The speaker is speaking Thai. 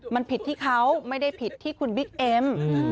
มันผิดที่เขาไม่ได้ผิดที่คุณบิ๊กเอ็ม